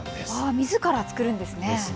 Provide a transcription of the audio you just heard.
みずから作るんですね。